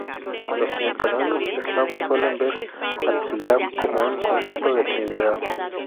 Los neopaganos eslavos suelen ver a Triglav como un concepto de Trinidad.